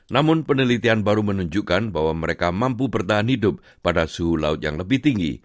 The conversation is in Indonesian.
namun penelitian baru menunjukkan bahwa mereka mampu bertahan hidup pada suhu laut yang lebih tinggi